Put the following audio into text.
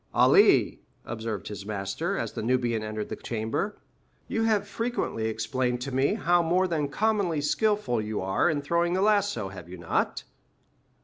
"Ali," observed his master, as the Nubian entered the chamber, "you have frequently explained to me how more than commonly skilful you are in throwing the lasso, have you not?"